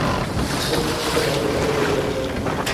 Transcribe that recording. আজকাল তোমার সাথে বাইরে কোথাও যেতে লজ্জা লাগে।